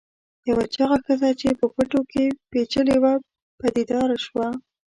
یوه چاغه ښځه چې په پټو کې پیچلې وه پدیدار شوه.